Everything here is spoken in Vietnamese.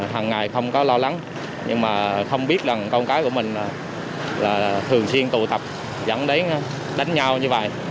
hằng ngày không có lo lắng nhưng mà không biết rằng con cái của mình là thường xuyên tụ tập dẫn đến đánh nhau như vậy